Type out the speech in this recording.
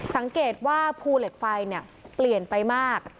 สังเกตว่าภูเหล็กไฟเปลี่ยนไปมาก